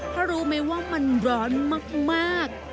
เพราะรู้ไหมว่ามันร้อนมาก